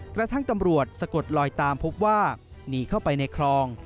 กระทั่งตำรวจสะกดลอยตามพบว่าหนีเข้าไปในคลอง